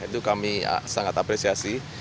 itu kami sangat apresiasi